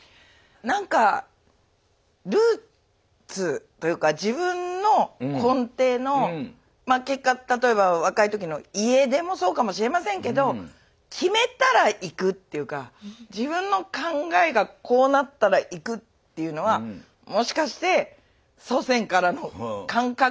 何かルーツというか自分の根底のまあ結果例えば若い時の家出もそうかもしれませんけど決めたら行くというか自分の考えがこうなったら行くというのはもしかして祖先からの感覚。